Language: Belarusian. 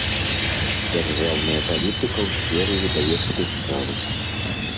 Дзяржаўная палiтыка ў сферы выдавецкай справы